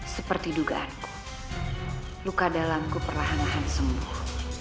seperti dugaanku luka dalamku perlahan lahan sembuh